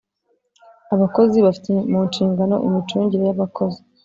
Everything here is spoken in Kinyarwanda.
Abakozi bafite mu nshingano imicungire y Abakozi